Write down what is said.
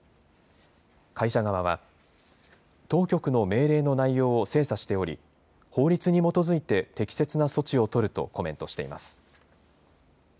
会社側は、当局の命令の内容を精査しており、法律に基づいて適切な措置を取るとコメントしています。